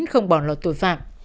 không bỏ lột tội phạm